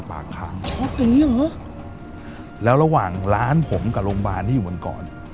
ปากทางช็อตอย่างงี้เหรอแล้วระหว่างร้านผมกับโรงพยาบาลที่อยู่บนก่อน